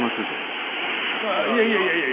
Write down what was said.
ああいやいやいやいや。